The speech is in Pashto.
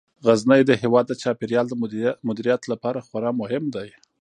غزني د هیواد د چاپیریال د مدیریت لپاره خورا مهم دی.